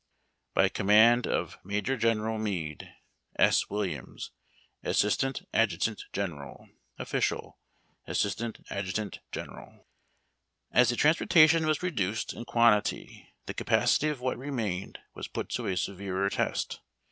By command of Major General Meade: S. WILLIAMS, Assistant Adjutant General. Official : AssH Adft Genn. As the transportation was reducetl in quantity, the capac ity of what remained, was put to a severer test.